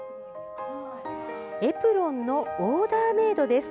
エプロンのオーダーメードです。